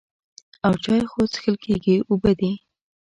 او چای خو څښل کېږي اوبه دي.